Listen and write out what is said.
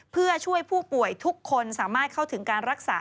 เพื่อช่วยผู้ป่วยทุกคนสามารถเข้าถึงการรักษา